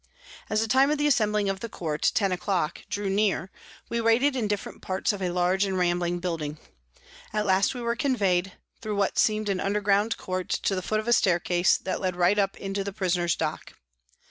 As the time of the assembling of the court, 10 o'clock, drew near we waited in different parts of a large and rambling building. At last we were conveyed, through what seemed an underground court, to the foot of a staircase that led right up into the prisoner's dock.